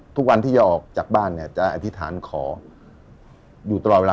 ทุกวันที่จะออกจากบ้านเนี่ยจะอธิษฐานขออยู่ตลอดเวลา